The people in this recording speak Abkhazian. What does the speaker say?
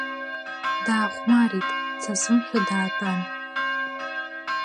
Даахәмарит, дсасымшәа даатәан.